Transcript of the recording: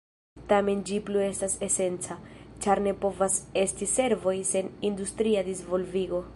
Tamen ĝi plu estas esenca, ĉar ne povas esti servoj sen industria disvolvigo.